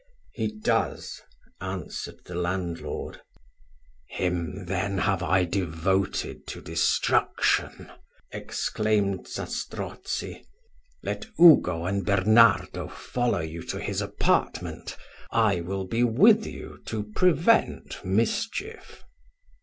"He does," answered the landlord. "Him, then, have I devoted to destruction," exclaimed Zastrozzi. "Let Ugo and Bernardo follow you to his apartment; I will be with you to prevent mischief."